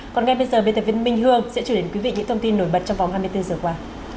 còn ngay bây giờ bên tài viên minh hương sẽ truyền đến quý vị những thông tin nổi bật trong vòng hai mươi bốn h qua